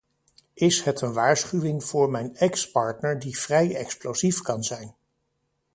Is het een waarschuwing voor mijn ex-partner die vrij explosief kan zijn.